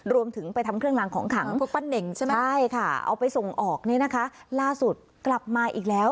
รวมถึงไปทำเครื่องลางของขังใช่ค่ะเอาไปส่งออกนี่นะคะล่าสุดกลับมาอีกแล้ว